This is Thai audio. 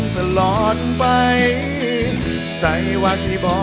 ขอบคุณมาก